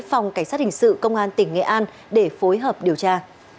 phòng cảnh sát hình sự công an tỉnh nghệ an để phối hợp điều tra